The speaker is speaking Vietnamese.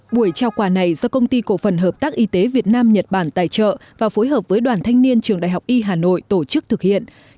buổi trao quà này do công ty cổ phần hợp tác y tế việt nam nhật bản tài trợ và phối hợp với đoàn thanh niên trường đại học y hà nội tổ chức thực hiện